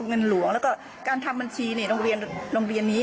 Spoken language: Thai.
เงินหลวงแล้วก็การทำบัญชีในโรงเรียนนี้